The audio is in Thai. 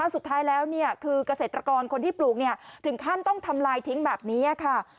สุดท้ายแล้วคือเกษตรกรคนที่ปลูกถึงขั้นต้องทำลายทิ้งแบบนี้ค่ะ